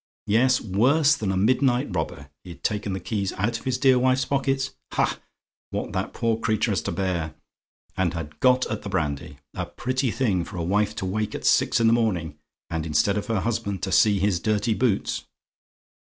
Yes; worse than a midnight robber, he'd taken the keys out of his dear wife's pockets ha! what that poor creature has to bear! and had got at the brandy. A pretty thing for a wife to wake at six in the morning, and instead of her husband to see his dirty boots!